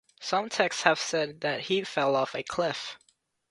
Some texts have said that he fell off a cliff.